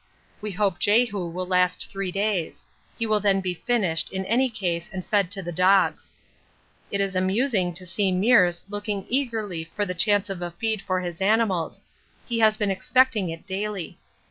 We hope Jehu will last three days; he will then be finished in any case and fed to the dogs. It is amusing to see Meares looking eagerly for the chance of a feed for his animals; he has been expecting it daily.